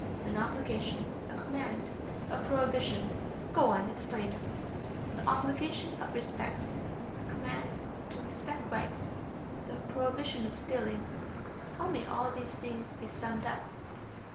An obligation, a command, a prohibition. Go on, explain. The obligation of respect ... the command to respect rights ... the prohibition of stealing. How may all these things be summed up?